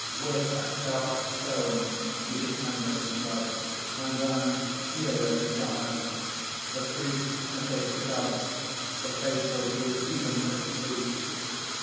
(With a sharp stone he dismembers himself, and runs furiously from her ... _The priests imitate the god; the faithful do even as the priests.